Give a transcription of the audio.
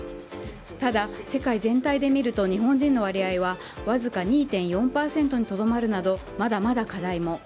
ただ、世界全体で見ると日本人の割合はわずか２．４％にとどまるなどまだまだ課題も。